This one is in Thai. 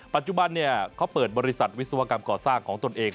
ปัจจุบันเขาเปิดบริษัทวิศวกรรมก่อสร้างของตนเอง